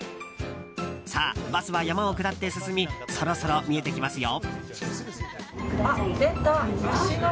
さあ、バスは山を下って進みそろそろ見えてきますよ。